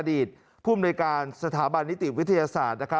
อดีตผู้อำนวยการสถาบันนิติวิทยาศาสตร์